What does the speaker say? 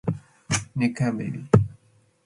Ne caimbi